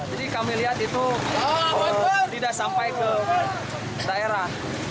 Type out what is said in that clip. jadi kami lihat itu tidak sampai ke daerah